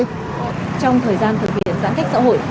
trong thời gian thực hiện giãn cách xã hội